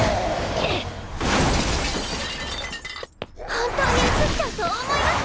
本当にうつっちゃうと思います？